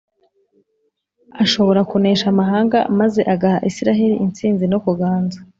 ashobora kunesha amahanga, maze agaha isiraheri intsinzi no kuganza